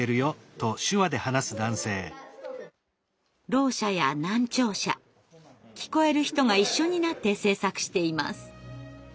ろう者や難聴者聞こえる人が一緒になって制作しています。